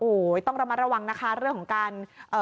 โอ้โหต้องระมัดระวังนะคะเรื่องของการเอ่อ